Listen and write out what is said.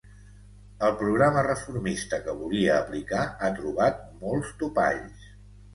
El programa reformista que volia aplicar ha trobat molts topalls.